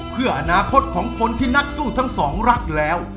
เพื่ออนาคตของคนที่นักสู้ทั้งสองรักแล้ว